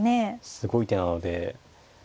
すごい手なので。